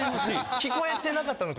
聞こえてなかったのか。